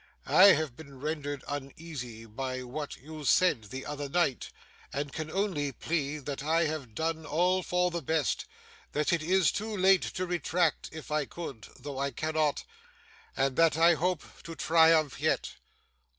'I have been rendered uneasy by what you said the other night, and can only plead that I have done all for the best that it is too late to retract, if I could (though I cannot) and that I hope to triumph yet.